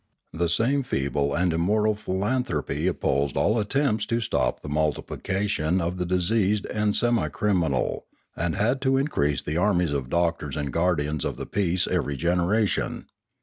The same feeble and immoral philanthropy opposed all attempts to stop the multiplication of the diseased and semi criminal, and had to increase the armies of doctors and guardians of the peace every generation.